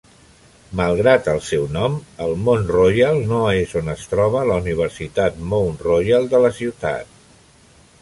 Malgrat el seu nom, el mont Royal no és on es troba la Universitat Mount Royal de la ciutat.